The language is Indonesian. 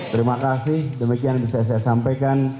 terima kasih demikian bisa saya sampaikan